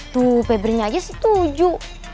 tuh peberinya aja setuju